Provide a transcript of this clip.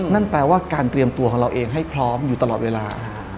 นั่นแปลว่าการเตรียมตัวของเราเองให้พร้อมอยู่ตลอดเวลา